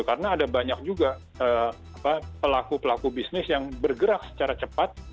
karena ada banyak juga pelaku pelaku bisnis yang bergerak secara cepat